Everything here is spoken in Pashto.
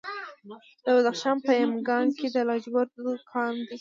د بدخشان په یمګان کې د لاجوردو کان دی.